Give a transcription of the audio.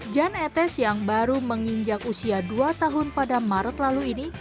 jan etes yang baru menginjak usia dua tahun pada maret lalu ini